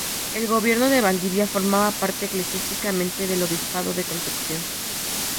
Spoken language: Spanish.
El Gobierno de Valdivia formaba parte eclesiásticamente del obispado de Concepción.